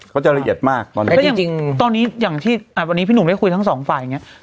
เขาจะละเอียดมากตอนนี้พี่หนุ่มได้คุยทั้งสองฝ่ายอย่างเนี่ย